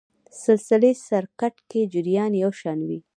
سلسلې سرکټ کې جریان یو شان وي.